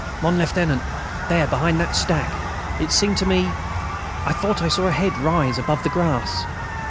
"Mon Lieutenant, ... there behind that stack, it seemed to me ... I thought I saw a head rise above the grass...."